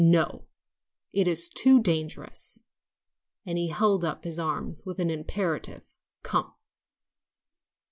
"No; it is too dangerous," and he held up his arms with an imperative, "Come!"